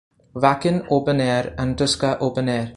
Wacken Open Air and Tuska Open Air.